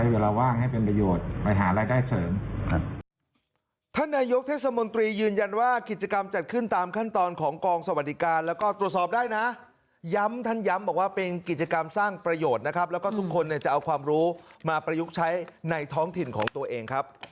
อย่างเช่นคุณสตีก็จะใช้เวลาว่างให้เป็นประโยชน์ไปหารายได้เฉิน